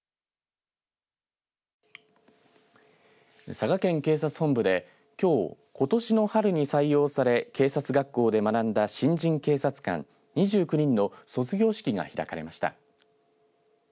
佐賀県警察本部できょうことしの春に採用され警察学校で学んだ新人警察官２９人の卒業式が開かれました。